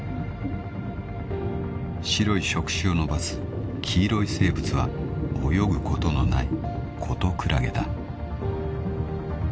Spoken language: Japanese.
［白い触手を伸ばす黄色い生物は泳ぐことのない］